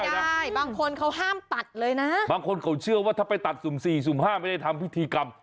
บางคนเขาห้ามตัดเลยนะบางคนเขาเชื่อว่าถ้าไปตัดสุ่มสี่สุ่มห้าไม่ได้ทำพิธีกรรม